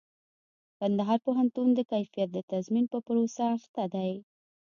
کندهار پوهنتون د کيفيت د تضمين په پروسه اخته دئ.